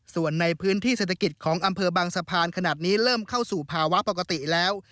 ส่วนในพื้นที่เศรษฐกิจของอำเภอบางสะพานขนาดนี้เริ่มเข้าสู่ภาวะปกติแล้ว